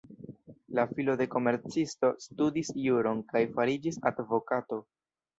La filo de komercisto studis juron kaj fariĝis advokato.